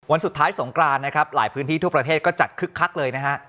วันสุดท้ายสงกรานนะครับหลายพื้นที่ทั่วประเทศก็จัดคึกคักเลยนะฮะ